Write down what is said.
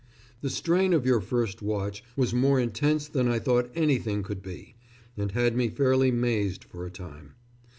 The strain of your first watch was more intense than I thought anything could be, and had me fairly mazed for a time.